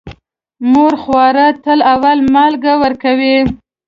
مور خواره ته اول مالګه ورکوي.